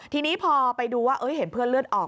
ทีนี้พอไปดูว่าเห็นเพื่อนเลือดออก